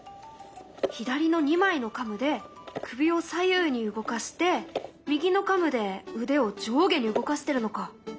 左の２枚のカムで首を左右に動かして右のカムで腕を上下に動かしてるのか。